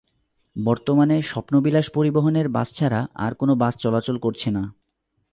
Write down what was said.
বর্তমানে স্বপ্নবিলাস পরিবহনের বাস ছাড়া আর কোনো বাস চলাচল করছে না।